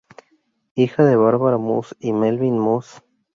Hija de Barbara Moss y Melvyn Moss.